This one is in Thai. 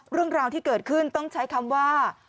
เรื่องราวที่เกิดขึ้นต้องใช้คำว่า